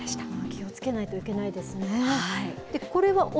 気をつけないといけないですね。